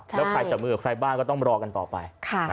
แล้วใครจับมือกับใครบ้างก็ต้องรอกันต่อไป